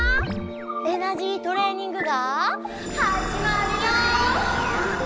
エナジートレーニングがはじまるよ！